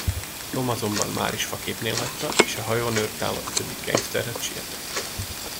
Tom azonban máris faképnél hagyta, és a hajón őrt álló ötödik gengszterhez sietett.